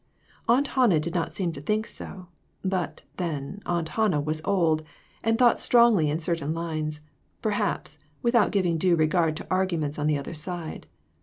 Aunt Hannah did not seem to think so; but then, Aunt Hannah was old, and thought strongly in certain lines, perhaps, without giving due regard to arguments on the other side.